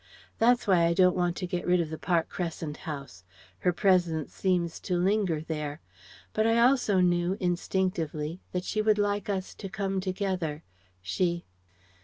That's why I don't want to get rid of the Park Crescent house. Her presence seems to linger there. But I also knew instinctively that she would like us to come together.... She..."